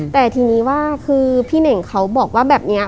แต่ทีนี้ว่าคือพี่เน่งเขาบอกว่าแบบนี้